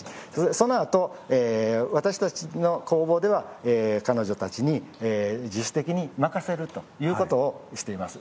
そのあと私たちの工房では彼女たちに自主的に任せるということをしています。